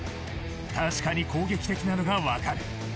確かに攻撃的なのが分かる。